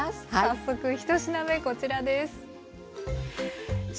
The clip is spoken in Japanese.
早速１品目こちらです。